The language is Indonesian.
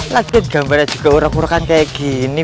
lagi gambarnya juga urak urakan kayak gini